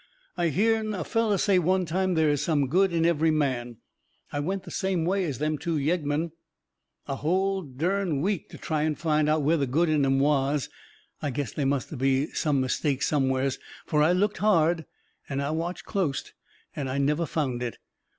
I hearn a feller say one time there is some good in every man. I went the same way as them two yeggmen a hull dern week to try and find out where the good in 'em was. I guess they must be some mistake somewheres, fur I looked hard and I watched closet and I never found it.